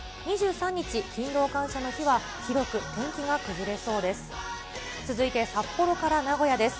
２３日、勤労感謝の日は、広く天気が崩れそうです。